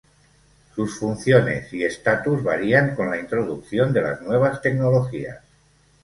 Sus funciones y estatus varían con la introducción de las nuevas tecnologías.